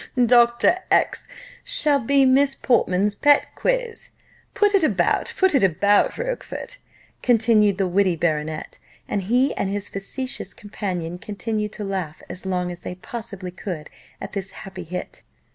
Dr. X shall be Miss Portman's pet quiz. Put it about, put it about, Rochfort," continued the witty baronet, and he and his facetious companion continued to laugh as long as they possibly could at this happy hit.